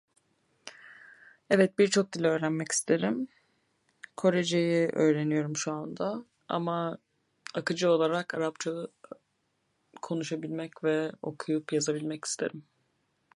Evet, birçok dil öğrenmek isterim. Koreceyi öğreniyorum şu anda; ama akıcı olarak Arapça da konuşabilmek ve okuyup yazabilmek isterim.